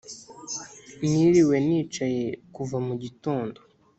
niriwe nicaye kuva mu gitondo